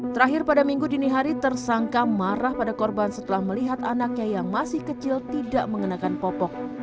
terakhir pada minggu dini hari tersangka marah pada korban setelah melihat anaknya yang masih kecil tidak mengenakan popok